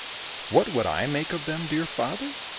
" What would I make of them, dear father